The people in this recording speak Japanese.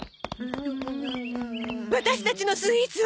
ワタシたちのスイーツは？